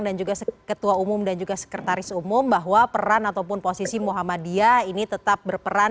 dan juga ketua umum dan juga sekretaris umum bahwa peran ataupun posisi muhammadiyah ini tetap berperan